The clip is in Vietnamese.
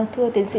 thưa tiến sĩ